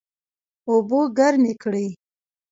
اوبه ګرمې کړئ